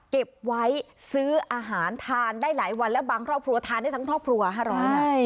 เก็บไว้ซื้ออาหารทานได้หลายวันแล้วบางครอบครัวทานได้ทั้งครอบครัว๕๐๐นะ